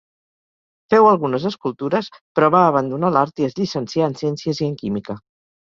Féu algunes escultures, però va abandonar l'art i es llicencià en ciències i en química.